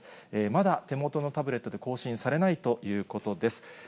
まだ手元のタブレットで更新されないということです。